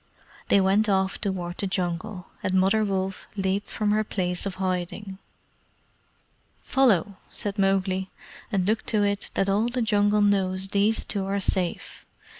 They went off toward the Jungle, and Mother Wolf leaped from her place of hiding. "Follow!" said Mowgli; "and look to it that all the Jungle knows these two are safe.